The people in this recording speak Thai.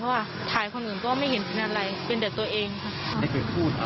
เพราะว่าถ่ายคนอื่นก็ไม่เห็นเป็นอะไรเป็นแต่ตัวเองค่ะ